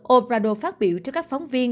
obrador phát biểu cho các phóng viên